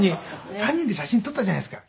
３人で写真撮ったじゃないですか。